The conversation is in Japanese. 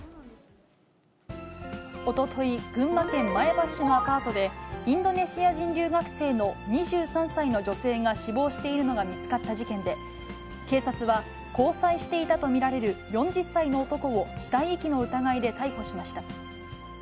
おととい、群馬県前橋市のアパートで、インドネシア人留学生の２３歳の女性が死亡しているのが見つかった事件で、警察は、交際していたと見られる４０歳の男を死体遺棄の疑いで逮捕しました。